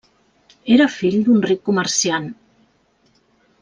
Era fill d'un ric comerciant.